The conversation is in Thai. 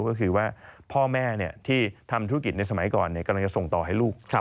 ก็คือว่าพ่อแม่ที่ทำธุรกิจในสมัยก่อนกำลังจะส่งต่อให้ลูก